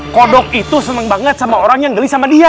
kodok itu senang banget sama orang yang geli sama dia